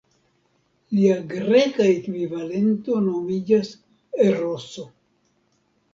Lia greka ekvivalento nomiĝas Eroso.